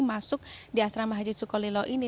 masuk di asrama haji sukolilo ini